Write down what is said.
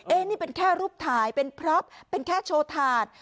นี่เป็นแค่รูปถ่ายเป็นพร็อปเป็นแค่โชว์ถาด